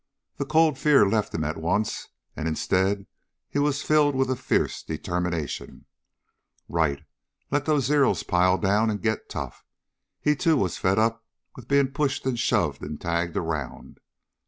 The cold fear left him at once, and instead he was filled with a fierce determination. Right! Let those Zeros pile down and get tough. He, too, was fed up with being pushed and shoved and tagged around.